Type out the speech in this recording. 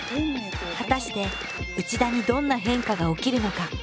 果たして内田にどんな変化が起きるのか？